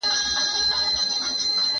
هغه په دواړو ډګرونو کې د بریا مډال ترلاسه کړ.